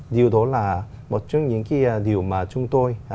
điều đó là một trong những cái điều mà chúng tôi